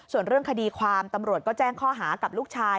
ส่วนเรื่องคดีความตำรวจก็แจ้งข้อหากับลูกชาย